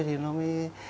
thì nó mới